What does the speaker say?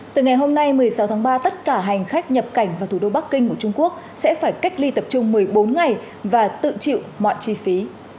từ ngày hôm nay một mươi sáu tháng ba tất cả hành khách nhập cảnh vào thủ đô bắc kinh của trung quốc sẽ phải cách ly tập trung một mươi bốn ngày và tự chịu mọi chi phí